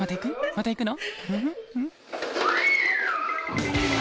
また行くの？